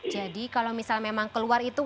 jadi kalau misalnya memang keluar itu